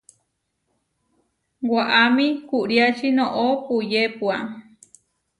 Waʼamí kuʼriáči noʼó puyépua.